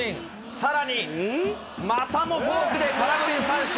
さらに、またもフォークで空振り三振。